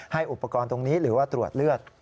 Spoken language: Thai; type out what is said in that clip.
อุปกรณ์ตรงนี้หรือว่าตรวจเลือด